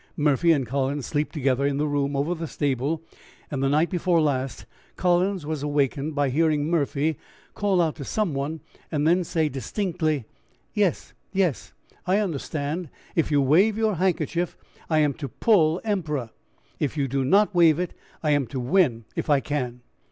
"Murphy and Collins sleep together in the room over the stable, and the night before last Collins was awakened by hearing Murphy call out to some one, and then say distinctly, 'Yes, yes, I understand; if you wave your handkerchief I am to 'pull' Emperor. If you do not wave it I am to win, if I can.'